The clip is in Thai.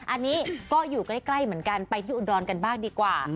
อันนี้ก็อยู่ใกล้เหมือนกันไปที่อุดรกันบ้างดีกว่า